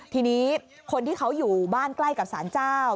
ทีนี้คนที่เขาอยู่บ้านใกล้กับสารเจ้า